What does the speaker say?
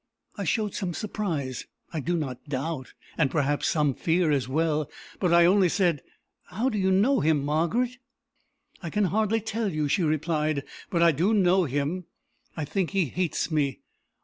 I showed some surprise, I do not doubt; and, perhaps, some fear as well; but I only said, "How do you know him, Margaret?" "I can hardly tell you," she replied; "but I do know him. I think he hates me.